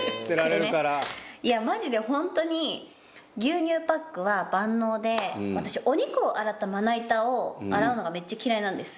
いやマジで本当に牛乳パックは万能で私お肉を洗ったまな板を洗うのがめっちゃ嫌いなんです。